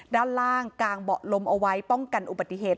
ด้านล่างกางเบาะลมเอาไว้ป้องกันอุบัติเหตุ